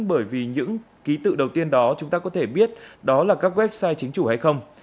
bởi vì những ký tự đầu tiên đó chúng ta có thể biết đó là các website chính chủ hay không